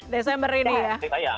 desember ini ya